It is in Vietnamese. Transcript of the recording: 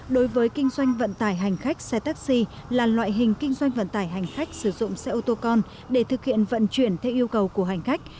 đối với kinh doanh vận tải hành khách xe taxi là loại hình kinh doanh vận tải hành khách sử dụng xe ô tô con để thực hiện vận chuyển theo yêu cầu của hành khách